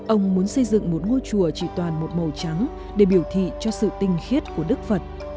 ông muốn xây dựng một ngôi chùa chỉ toàn một màu trắng để biểu thị cho sự tinh khiết của đức phật